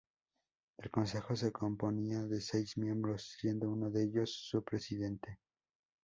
El Consejo se componía de seis miembros, siendo uno de ellos su Presidente.